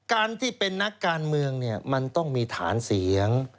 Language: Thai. การที่เป็นนักการเมืองเนี่ยมันต้องมีฐานเสียง